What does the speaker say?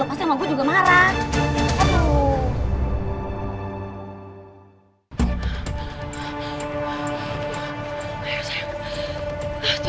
ini pasti al marah banget sama saya